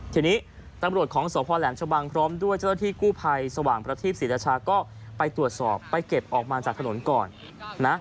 ทีนี้ตำรวจของสพแหลมชะบังพร้อมด้วยเจ้าหน้าที่กู้ภัยสว่างประทีปศรีราชาก็ไปตรวจสอบไปเก็บออกมาจากถนนก่อนนะ